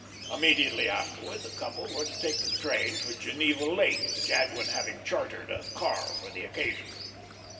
Immediately afterward the couple were to take the train for Geneva Lake Jadwin having chartered a car for the occasion.